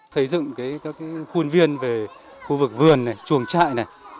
xây dựng các khuôn viên về khu vực vườn này chuồng trại này